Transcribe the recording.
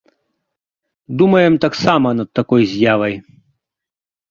Думаем таксама над такой з'явай.